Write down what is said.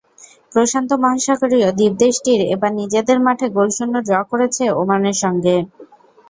প্রশান্ত মহাসাগরীয় দ্বীপদেশটি এবার নিজেদের মাঠে গোলশূন্য ড্র করেছে ওমানের সঙ্গে।